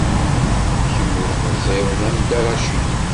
Kemm ur meẓẓiyeḍ am Dda Racid.